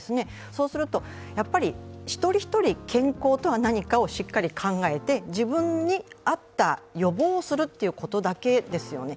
そうするとやはり一人一人、健康とは何かをしっかりと考えて、自分に合った予防をするということだけですよね。